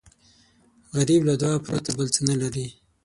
غریب له دعا پرته بل څه نه لري